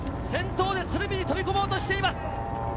先頭で鶴見に飛び込もうとしています。